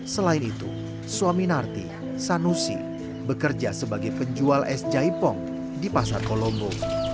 selain itu suami narti sanusi bekerja sebagai penjual es jaipong di pasar kolombo